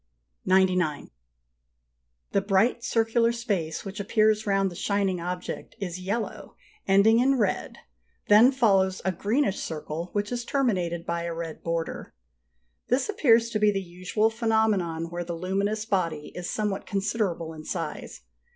Note G. 99. The bright circular space which appears round the shining object is yellow, ending in red: then follows a greenish circle, which is terminated by a red border. This appears to be the usual phenomenon where the luminous body is somewhat considerable in size.